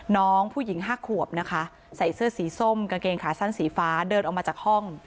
น้องผู้หญิง๕ขวบนะคะใส่เสื้อสีส้มกางเกงขาสั้นสีฟ้าเดินออกมาจากห้อง